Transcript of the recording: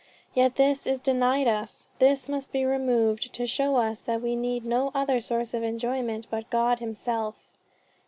Yet this is denied us, this must be removed, to show us that we need no other source of enjoyment but God himself.